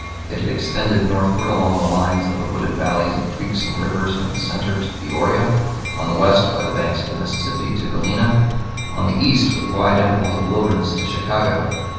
It had extended northward along the lines of the wooded valleys of creeks and rivers in the center to Peoria; on the west by the banks of the Mississippi to Galena; on the east with wide intervals of wilderness to Chicago.